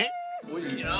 おいしいな。